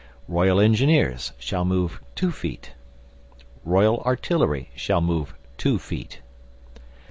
Royal Engineers shall move two feet. Royal Artillery shall move two feet.